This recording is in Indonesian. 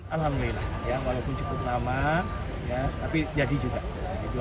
alhamdulillah walaupun cukup lama tapi jadi juga